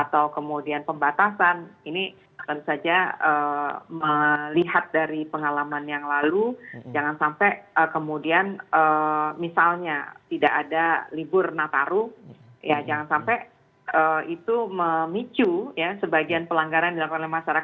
atau kemudian pembatasan ini tentu saja melihat dari pengalaman yang lalu jangan sampai kemudian misalnya tidak ada libur nataru ya jangan sampai itu memicu ya sebagian pelanggaran yang dilakukan oleh masyarakat